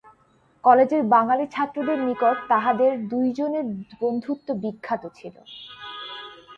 কালেজের বাঙালি ছাত্রদের নিকট তাহাদের দুইজনের বন্ধুত্ব বিখ্যাত ছিল।